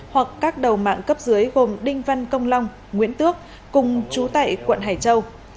hoặc các đầu mạng cấp dưới gồm đinh văn công long nguyễn tước cùng chú tại quận hải châu